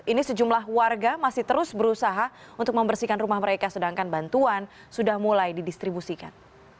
ini sejumlah warga masih terus berusaha untuk membersihkan rumah mereka sedangkan bantuan sudah mulai didistribusikan